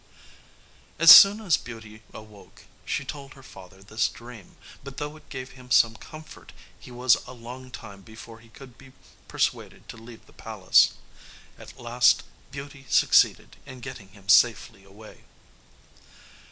As soon as Beauty awoke she told her father this dream; but though it gave him some comfort, he was a long time before he could be persuaded to leave the palace. At last Beauty succeeded in getting him safely away.